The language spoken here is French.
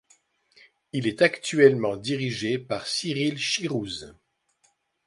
Il est actuellement dirigé par Cyril Chirouze.